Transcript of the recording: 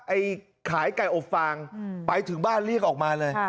ไอ้ขายไก่อบฟางไปถึงบ้านเรียกออกมาเลย